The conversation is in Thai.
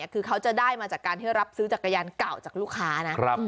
คือเขาจะได้มาจากการที่รับซื้อจักรยานเก่าจากลูกค้านะ